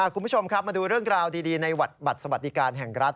คุณผู้ชมครับมาดูเรื่องราวดีในบัตรสวัสดิการแห่งรัฐ